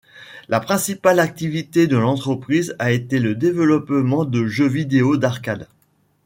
La principale activité de l’entreprise a été le développement de jeux vidéo d'arcade.